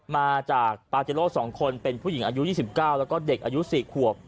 มาจากปาเจโรสองคนเป็นผู้หญิงอายุยี่สิบเก้าแล้วก็เด็กอายุสี่ขวบ